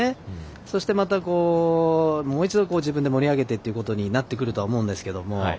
そして、またもう一度自分で盛り上げてということになってくると思うんですけども。